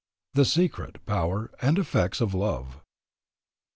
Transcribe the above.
THE SECRET, POWER, AND EFFECTS OF LOVE.